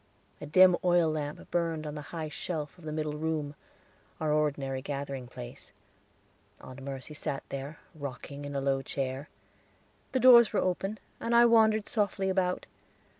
A dim oil lamp burned on the high shelf of the middle room, our ordinary gathering place. Aunt Mercy sat there, rocking in a low chair; the doors were open, and I wandered softly about.